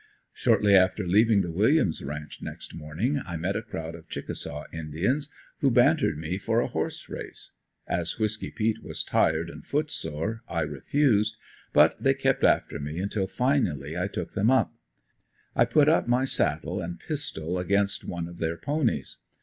Shortly after leaving the Williams ranch next morning I met a crowd of Chickasaw indians who bantered me for a horse race. As Whisky peat was tired and foot sore, I refused; but they kept after me until finally I took them up. I put up my saddle and pistol against one of their ponies.